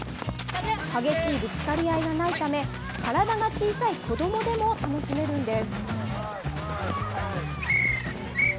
激しいぶつかり合いがないため、体が小さい子どもでも楽しめるんです。